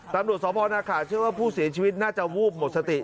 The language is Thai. ตำรวจสพนาขาเชื่อว่าผู้เสียชีวิตน่าจะวูบหมดสติ